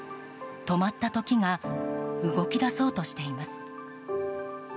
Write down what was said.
止まった時が動き出そうとしています。